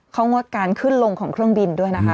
เขางดการขึ้นลงของเครื่องบินด้วยนะคะ